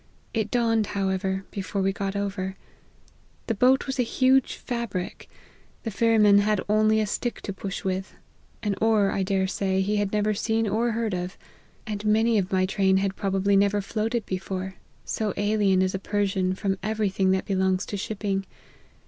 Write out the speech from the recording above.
It dawned, however, before we got over. The boat was a huge fabric. The ferryman had only a stick to push with : an oar, I dare say, he had never seen or heard of, and many of my train had 180 LIFE OF HENRY MARTYN probably never floated before ; so alien is a Persian from every thing that belongs to shipping.